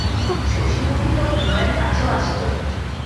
শশিমুখী তো বিনয়ের কাছেও আসিত না।